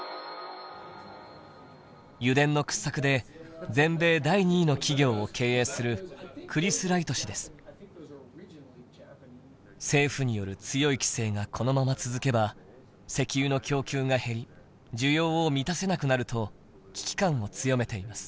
油田の掘削で全米第２位の企業を経営する政府による強い規制がこのまま続けば石油の供給が減り需要を満たせなくなると危機感を強めています。